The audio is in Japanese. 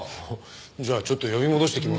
じゃあちょっと呼び戻してきます。